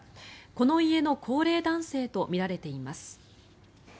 この家の高齢男性とみられています。